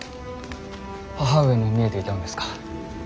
母上も見えていたのですか。